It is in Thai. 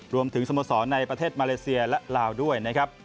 รวมถึงสโมสรในประเทศมาเลเซียและลาวด้วย